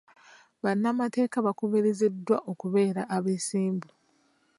Bannamateeka bakubirirziddwa okubeera abeesimbu.